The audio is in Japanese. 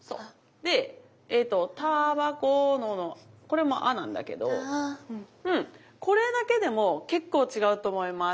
でえっと「煙草の」これも「あ」なんだけどこれだけでも結構違うと思います。